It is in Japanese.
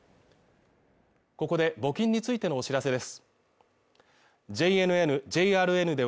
ここで募金についてのお知らせです